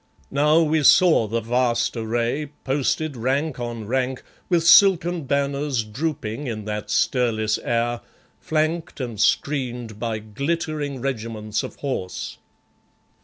Now we saw the vast array, posted rank on rank with silken banners drooping in that stirless air, flanked and screened by glittering regiments of horse.